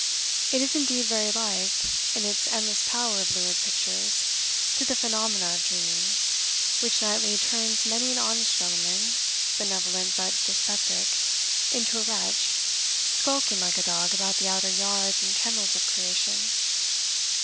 It is indeed very like, in its endless power of lurid pictures, to the phenomena of dreaming, which nightly turns many an honest gentleman, benevolent but dyspeptic, into a wretch, skulking like a dog about the outer yards and kennels of creation.